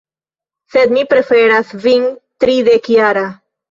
Sed mi preferas vin tridekjara.